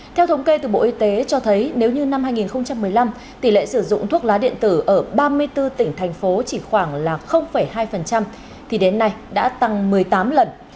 theo thống kê từ bộ y tế cho thấy nếu như năm hai nghìn một mươi năm tỷ lệ sử dụng thuốc lá điện tử ở ba mươi bốn tỉnh thành phố chỉ khoảng là hai thì đến nay đã tăng một mươi tám lần